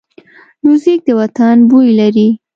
موزیک د وطن بوی لري.